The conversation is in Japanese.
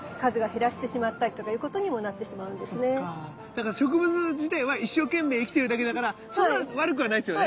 だから植物自体は一生懸命生きてるだけだからそんな悪くはないんですよね？